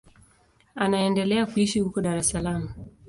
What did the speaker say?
Anaendelea kuishi huko Dar es Salaam.